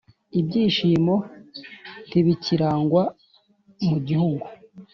ibyishimo ntibikirangwa mu gihugu.